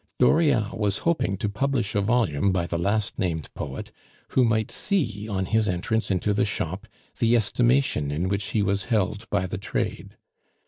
Dauriat was hoping to publish a volume by the last named poet, who might see, on his entrance into the shop, the estimation in which he was held by the trade.